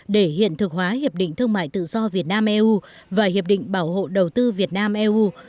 để hiện thực hóa hiệp định thương mại tự do việt nam eu và hiệp định bảo hộ đầu tư việt nam eu